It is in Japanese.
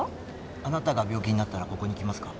あなたが病気になったらここに来ますか？